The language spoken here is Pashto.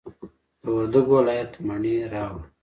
د وردګو ولایت مڼې راوړه.